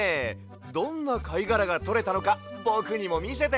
どんなかいがらがとれたのかぼくにもみせて！